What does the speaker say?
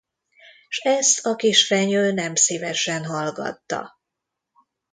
S ezt a kisfenyő nem szívesen hallgatta.